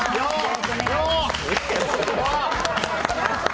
よっ！